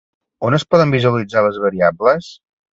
On es poden visualitzar les variables?